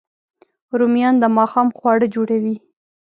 رومیان د ماښام خواړه جوړوي